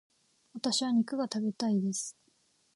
私は肉が食べたいです。